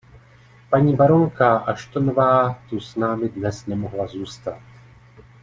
Paní baronka Ashtonová tu s námi dnes nemohla zůstat.